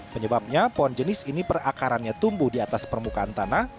penyebabnya pohon jenis ini perakarannya tumbuh di atas permukaan tanah